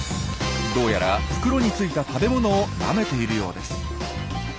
どうやら袋についた食べ物をなめているようです。